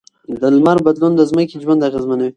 د لمر بدلون د ځمکې ژوند اغېزمنوي.